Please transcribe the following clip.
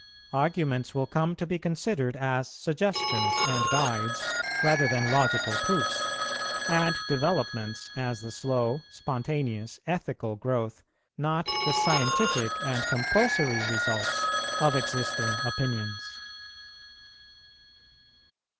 Arguments will come to be considered as suggestions and guides rather than logical proofs; and developments as the slow, spontaneous, ethical growth, not the scientific and compulsory results, of existing opinions.